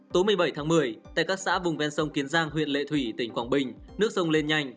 tối một mươi bảy tháng một mươi tại các xã vùng ven sông kiến giang huyện lệ thủy tỉnh quảng bình nước sông lên nhanh